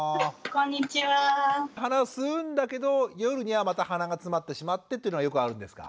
鼻吸うんだけど夜にはまた鼻がつまってしまってというのはよくあるんですか？